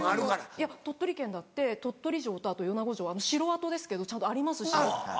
いや鳥取県だって鳥取城とあと米子城城跡ですけどちゃんとありますし。